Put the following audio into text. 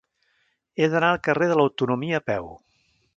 He d'anar al carrer de l'Autonomia a peu.